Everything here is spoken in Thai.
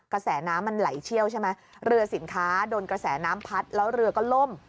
กระแสน้ำมันไหลเชี่ยวใช่ไหมเรือสินค้าโดนกระแสน้ำพัดแล้วเรือก็ล่ม